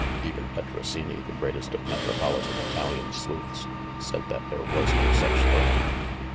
Even Petrosini, the greatest of metropolitan Italian sleuths, said that there was no such thing.